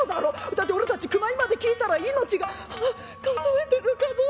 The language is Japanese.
だって俺たち９枚まで聞いたら命が。ああ数えてる数えてる」。